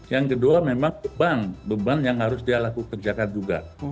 yang kedua memang beban beban yang harus dia lakukan kerjakan juga